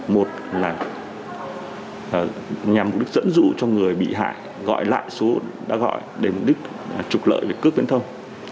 một là nhằm mục đích dẫn dụ cho người bị hại gọi lại số đã gọi để mục đích trục lợi về cướp viễn thông